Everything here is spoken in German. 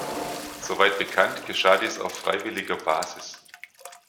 Soweit bekannt, geschah dies auf freiwilliger Basis.